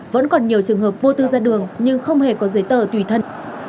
vẫn còn nhiều trường hợp vô tư ra đường nhưng không hề có giấy tờ tùy thân